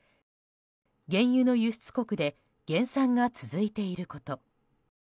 原油の輸出国で減産が続いていること。